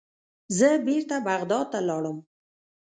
زه بیرته بغداد ته لاړم.